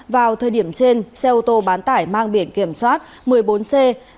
vào thời điểm trên xe ô tô bán tải mang biển kiểm soát một mươi bốn c hai mươi nghìn bảy trăm hai mươi sáu